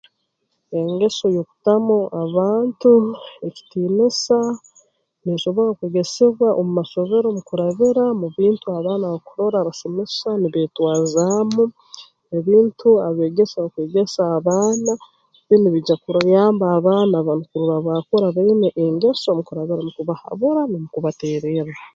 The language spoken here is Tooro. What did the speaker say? Engeso y'okutamu abantu ekitiinisa neesobora kwegesebwa omu masomero mu kurabura mu bintu abaana bakurora abasomesa nibeetwazaamu ebintu abeegesa bakwegesa abaana binu nibiija kubayamba abaana banu kurora baakura baine engeso mu kurabira mu kubahabura n'omu kubateererra